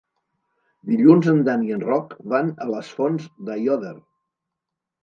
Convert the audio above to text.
Dilluns en Dan i en Roc van a les Fonts d'Aiòder.